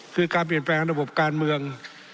คือการเปลี่ยนแปลงระบบการเมือง